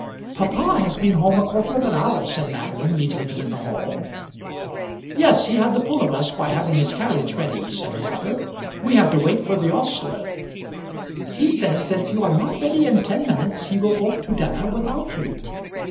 "Papa has been home a quarter of an hour," said Madeline, meeting them in the hall. "Yes, he had the pull of us by having his carriage ready," said her brother. "We had to wait for the ostler." "He says that if you are not ready in ten minutes he will go to dinner without you.